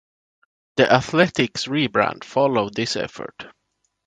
The athletics rebrand followed this effort.